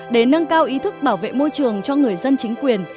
để nâng cao ý thức bảo vệ môi trường cho người dân chính quyền